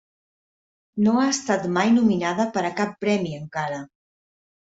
No ha estat mai nominada per a cap premi encara.